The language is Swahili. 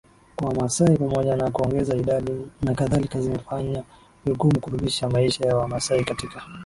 kwa Wamasai pamoja na kuongeza idadi nakadhalika zimefanya vigumu kudumisha maisha ya WamasaiKatika